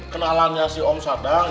kenalannya si om sadang